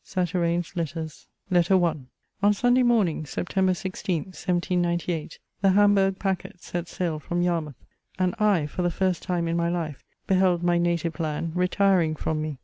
SATYRANE'S LETTERS LETTER I On Sunday morning, September 16, 1798, the Hamburg packet set sail from Yarmouth; and I, for the first time in my life, beheld my native land retiring from me.